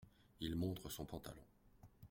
Il montre son pantalon.